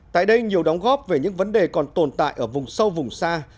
tại đây nhiều đóng góp về những vấn đề còn tồn tại ở vùng sâu vùng xa